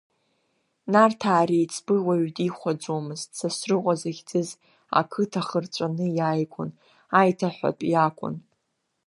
Нарҭаа реиҵбы уаҩ дихәаӡомызт, Сасрыҟәа захьӡыз, ақыҭа хырҵәаны иааигон, аиҭаҳәатә иакәын.